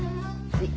はい。